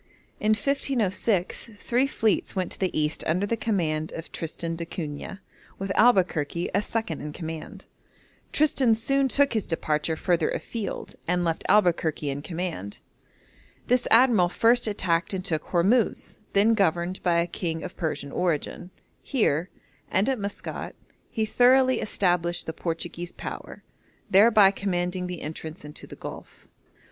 In 1506 three fleets went to the East under the command of Tristan d'Acunha, with Albuquerque as second in command. Tristan soon took his departure further afield, and left Albuquerque in command. This admiral first attacked and took Hormuz, then governed by a king of Persian origin. Here, and at Maskat, he thoroughly established the Portuguese power, thereby commanding the entrance into the Gulf.